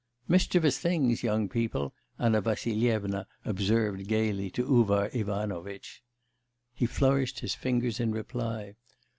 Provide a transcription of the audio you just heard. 'Mischievous things, young people,' Anna Vassilyevna observed gaily to Uvar Ivanovitch. He flourished his fingers in reply.